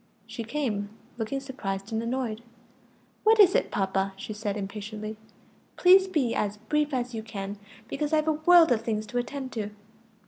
She came, looking surprised and annoyed. "What is it, papa?" she said impatiently. "Please be as brief as you can; because I've a world of things to attend to."